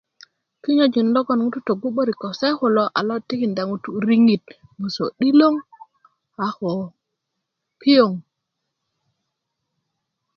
kinyöjin logon ŋutu tögu 'börik ko se kulo a lo tikinda ŋutu riŋit gboso 'diloŋ a ko piöŋ